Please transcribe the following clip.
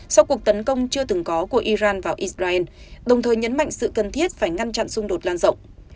sau cuộc tấn công chưa từng có của iran vào israel đồng thời nhấn mạnh sự cần thiết phải ngăn chặn xung đột lan rộng